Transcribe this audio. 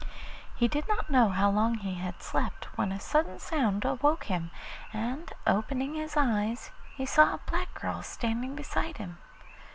He did not know how long he had slept when a sudden sound awoke him, and opening his eyes he saw a black girl standing beside him.